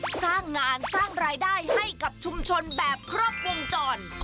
สร้างงานสร้างรายได้ให้กับชุมชนแบบครบวงจร